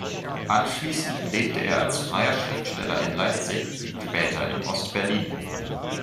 Anschließend lebte er als freier Schriftsteller in Leipzig, später in Ost-Berlin.